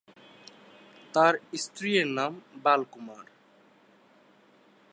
তার স্ত্রী এর নাম বাল কুমার।